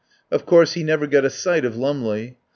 Of course he never got a sight of Lumley.